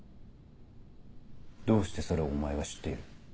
どうしてそれをお前が知っている？